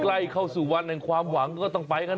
อีกหวายละ๒๐กว่ากว่าแล้วอีกบัน